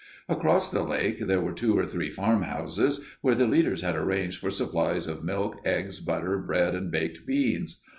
Across the lake there were two or three farmhouses, where the leaders had arranged for supplies of milk, eggs, butter, bread, and baked beans.